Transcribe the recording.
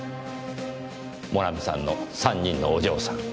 モナミさんの３人のお嬢さん。